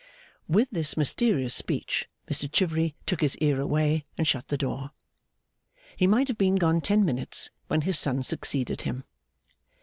With this mysterious speech, Mr Chivery took his ear away and shut the door. He might have been gone ten minutes, when his son succeeded him.